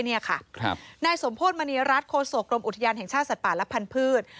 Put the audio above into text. นายสมโพธิมณีรัฐโคศกรมอุทยานแห่งชาติสัตว์ป่าและพันธุ์